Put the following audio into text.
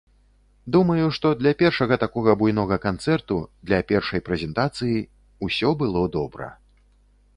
Думаю, што для першага такога буйнога канцэрту, для першай прэзентацыі, усё было добра.